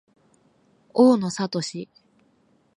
大野智